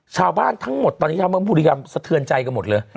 ชาวบ้านทั้งหมดตอนนี้ชาวเมืองบุรีรำสะเทือนใจกันหมดเลย